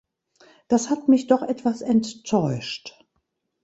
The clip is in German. Das hat mich doch etwas enttäuscht.